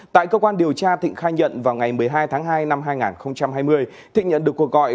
tại cơ quan điều tra thịnh khai nhận vào ngày một mươi hai tháng hai năm hai nghìn hai mươi thịnh nhận được cuộc gọi